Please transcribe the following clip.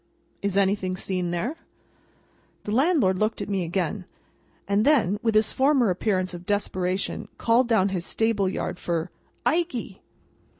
"Is anything seen there?" The landlord looked at me again, and then, with his former appearance of desperation, called down his stable yard for "Ikey!"